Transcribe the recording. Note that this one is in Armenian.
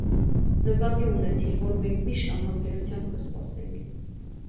նկատի ունեցիր, որ մենք միշտ անհամբերությամբ կսպասենք: